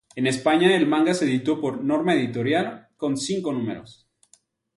En España el manga se editó por Norma Editorial, con cinco números.